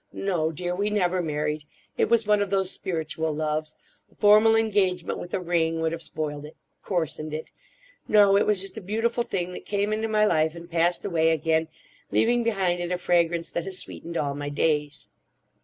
No, dear, we never married. It was one of those spiritual loves; a formal engagement with a ring would have spoiled it—coarsened it. No; it was just a beautiful thing that came into my life and passed away again, leaving behind it a fragrance that has sweetened all my days."